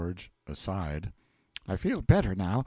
(Aside.) I feel better, now.